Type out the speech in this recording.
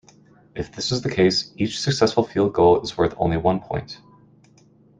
If this is the case, each successful field goal is worth only one point.